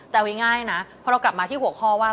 แต่เอาง่ายนะพอเรากลับมาที่หัวข้อว่า